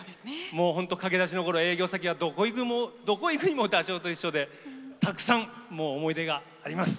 もう本当駆け出しの頃営業先はどこへ行くにもダチョウと一緒でたくさん思い出があります。